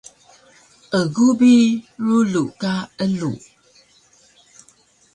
Egu bi rulu ka elug